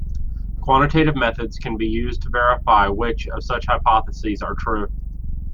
Quantitative methods can be used to verify which of such hypotheses are true.